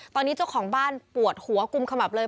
ตอนนี้เจ้าของบ้านปวดหัวกุมขมับเลย